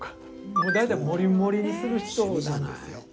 もう大体盛り盛りにする人なんですよ。